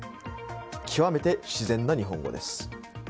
極めて自然な日本語です。